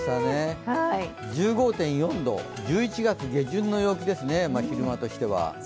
１５．４度、１１月下旬の陽気ですね、昼間としては。